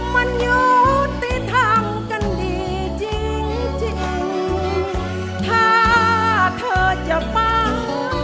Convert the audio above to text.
มันอยู่ที่ทำกันดีจริง